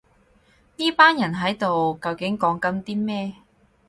呢班人喺度究竟講緊啲咩